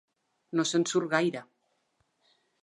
No se'n surt gaire.